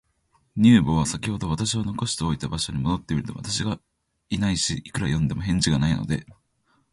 乳母は、さきほど私を残しておいた場所に戻ってみると、私がいないし、いくら呼んでみても、返事がないので、